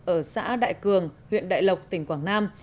ở xã đại cường huyện đại lộc tỉnh quảng nam